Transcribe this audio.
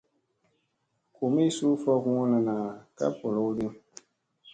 Gumii suu fok mullana ka bolowdi.